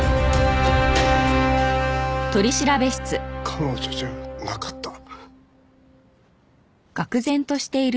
彼女じゃなかった？